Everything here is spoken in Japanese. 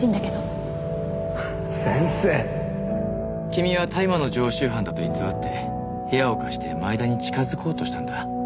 君は大麻の常習犯だと偽って部屋を貸して前田に近づこうとしたんだ。